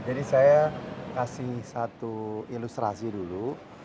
jadi saya kasih satu ilustrasi dulu